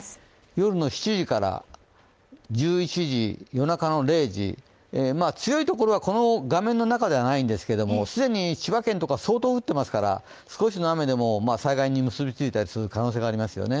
夜７時から、１１時夜中の０時強いところは画面の中ではないんですけど、既に千葉県とかは相当降っていますから、少しの雨でも災害に結びつく可能性ありますよね。